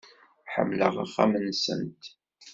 Ḥemmleɣ axxam-nsent.